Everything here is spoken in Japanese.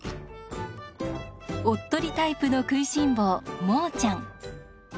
おっとりタイプの食いしん坊モーちゃん。